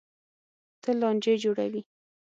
تل لانجې جوړوي.